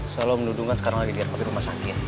soalnya lo mendudungkan sekarang lagi di rumah sakit